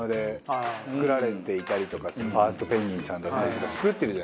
『ファーストペンギン！』さんだったりとか作ってるじゃない。